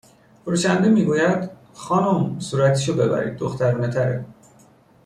فروشنده میگوید: خانم صورتیشو ببرید دخترونهتره